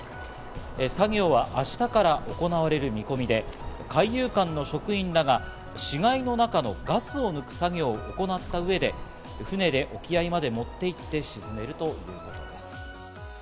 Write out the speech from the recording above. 作業は明日から行われる見込みで、海遊館の職員らが死骸の中のガスを抜く作業を行った上で、船で沖合まで持っていって沈めるということです。